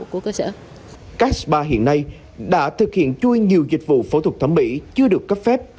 các spa hiện nay đã thực hiện chui nhiều dịch vụ phẫu thuật thẩm mỹ chưa được cấp phép